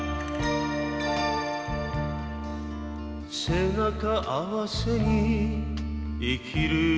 「背中合わせに生きるよりも」